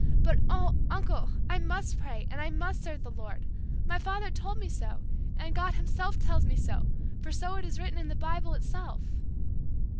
But, oh, uncle, I must pray, and I must serve the Lord. My father told me so, and God Himself tells me so, for so it is written down in the Bible itself."